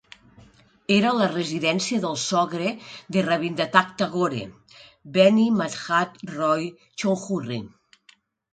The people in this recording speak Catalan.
Era la residència del sogre de Rabindranath Tagore, Beni Madhab Roy Chowdhury.